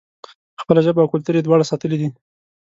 خپله ژبه او کلتور یې دواړه ساتلي دي.